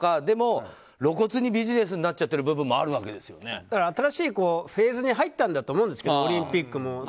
でも露骨にビジネスになっちゃってる部分も新しいフェーズに入ったんだと思うんですけどオリンピックも。